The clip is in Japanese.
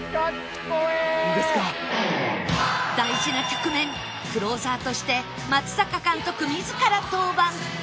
大事な局面クローザーとして松坂監督自ら登板！